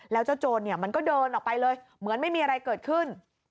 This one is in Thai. แล้วเจ้าโจรมันก็เดินออกไปเลยเหมือนไม่มีอะไรเกิดขึ้น